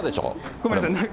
ごめんなさい。